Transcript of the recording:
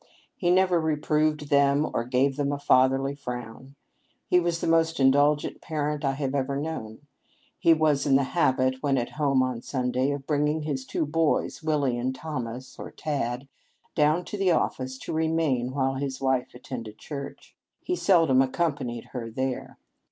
He never reproved them or gave them a fatherly frown. He was the most indulgent parent I have ever known. He was in the habit, when at home on Sunday, of bringing his two boys, Willie and Thomas — or " Tad "— down to the office to remain while his wife attended church. He seldom accom panied her there.